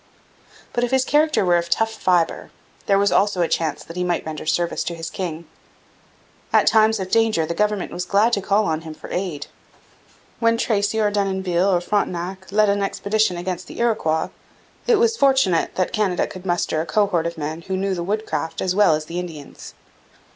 But if his character were of tough fibre, there was also a chance that he might render service to his king. At times of danger the government was glad to call on him for aid. When Tracy or Denonville or Frontenac led an expedition against the Iroquois, it was fortunate that Canada could muster a cohort of men who knew woodcraft as well as the Indians.